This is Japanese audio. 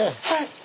はい。